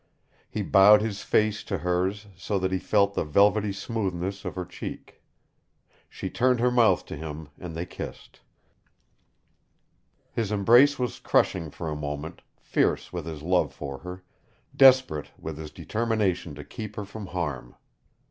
He bowed his face to hers, so that he felt the velvety smoothness of her cheek. She turned her mouth to him, and they kissed. His embrace was crushing for a moment, fierce with his love for her, desperate with his determination to keep her from harm.